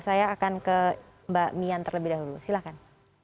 saya akan ke mbak mian terlebih dahulu silahkan